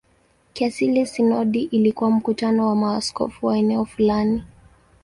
Kiasili sinodi ilikuwa mkutano wa maaskofu wa eneo fulani.